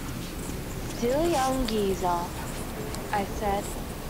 "Silly young geezer," I said.